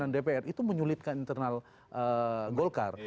konselasi pimpinan dpr itu menyulitkan internal golkar